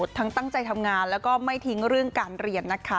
ทั้งตั้งใจทำงานแล้วก็ไม่ทิ้งเรื่องการเรียนนะคะ